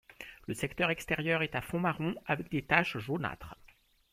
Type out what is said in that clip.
Le secteur extérieur est à fond marron avec des taches jaunâtres.